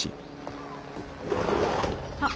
あっ。